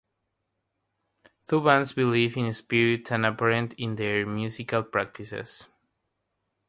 Tuvans' belief in spirits is apparent in their musical practices.